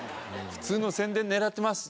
「普通の宣伝狙ってます」